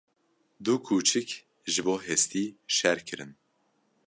Du kûçik ji bo hestî şer kirin.